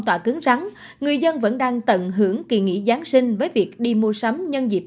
tỏa cứng rắn người dân vẫn đang tận hưởng kỳ nghỉ giáng sinh với việc đi mua sắm nhân dịp